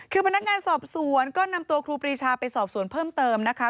คือพนักงานสอบสวนก็นำตัวครูปรีชาไปสอบสวนเพิ่มเติมนะคะ